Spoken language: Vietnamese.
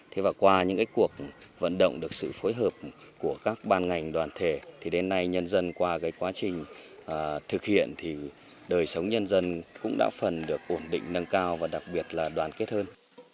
thế và qua những cái cuộc vận động được sự phối hợp của các ban ngành đoàn thể thì đến nay nhân dân qua cái quá trình thực hiện thì đời sống nhân dân cũng đã phần được ổn định nâng cao và đặc biệt là đoàn kết hơn